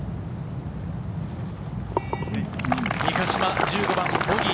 三ヶ島、１５番ボギー。